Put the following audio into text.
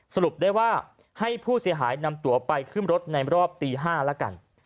สรุปได้ว่าให้ผู้เสียหายนำตัวไปขึ้นรถในรอบตี๕แล้วกัน